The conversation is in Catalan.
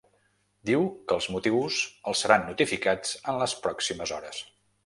Diu que els motius els seran notificats en les pròximes hores.